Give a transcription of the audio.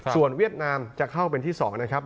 ส่วนเวียดนามจะเข้าเป็นที่๒นะครับ